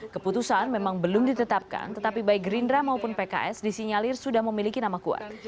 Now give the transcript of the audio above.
keputusan memang belum ditetapkan tetapi baik gerindra maupun pks disinyalir sudah memiliki nama kuat